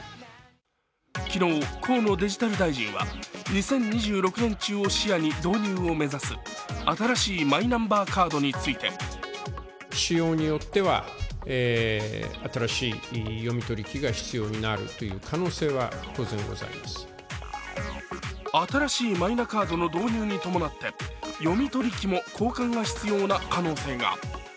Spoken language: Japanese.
昨日、河野デジタル大臣は２０２６年中を視野に導入を目指す新しいマイナンバーカードについて新しいマイナカードの導入に伴って読み取り機も交換が必要な可能性が。